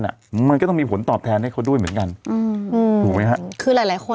ทำงานครบ๒๐ปีได้เงินชดเฉยเลิกจ้างไม่น้อยกว่า๔๐๐วัน